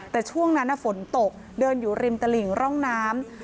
แต่ช่วงนั้นฝนตกเดินอยู่ริมตลิ่งร่องน้ำ